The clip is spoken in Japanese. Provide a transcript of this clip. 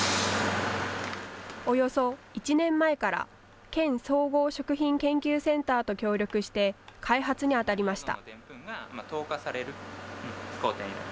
およそ１年前から県総合食品研究センターと協力して開発にあたりました。